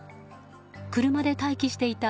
車で待機していた